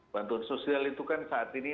bantuan sosial itu kan saat ini